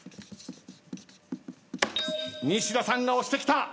西田さんが押してきた。